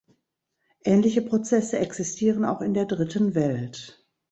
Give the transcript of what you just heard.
Ähnliche Prozesse existieren auch in der dritten Welt.